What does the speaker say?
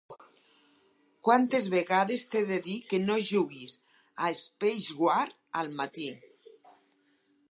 Quantes vegades t'he de dir que no juguis a Spacewar al matí!